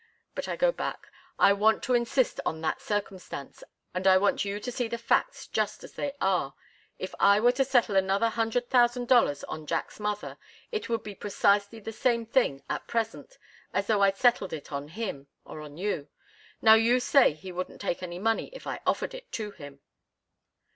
But I go back. I want to insist on that circumstance, and I want you to see the facts just as they are. If I were to settle another hundred thousand dollars on Jack's mother, it would be precisely the same thing, at present, as though I'd settled it on him, or on you. Now you say he wouldn't take any money if I offered it to him."